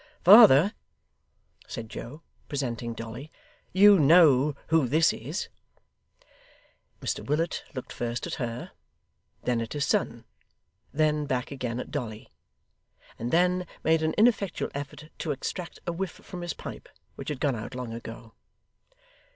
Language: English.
'Father,' said Joe, presenting Dolly. 'You know who this is?' Mr Willet looked first at her, then at his son, then back again at Dolly, and then made an ineffectual effort to extract a whiff from his pipe, which had gone out long ago.